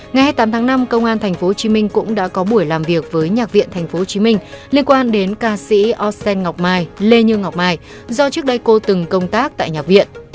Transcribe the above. ngày hai mươi tám tháng năm công an tp hcm cũng đã có buổi làm việc với nhạc viện tp hcm liên quan đến ca sĩ osen ngọc mai lê như ngọc mai do trước đây cô từng công tác tại nhạc viện